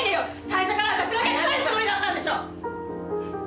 最初から私の客取るつもりだったんでしょ！